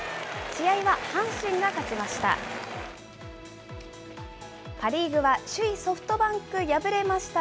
試合は阪神が勝ちました。